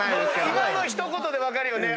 今の一言で分かるよね。